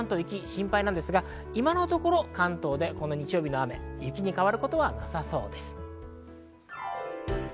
今のところ関東ではこの日曜日の雨、雪に変わることはなさそうです。